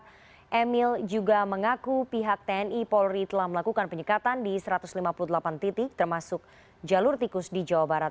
emil juga mengaku pihak tni polri telah melakukan penyekatan di satu ratus lima puluh delapan titik termasuk jalur tikus di jawa barat